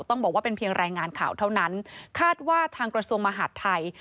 ต้องบอกว่าเป็นเพียงรายงานข่าวเท่านั้นคาดว่าทางกระทรวงมหาดไทย